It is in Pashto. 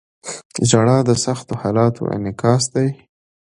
• ژړا د سختو حالاتو انعکاس دی.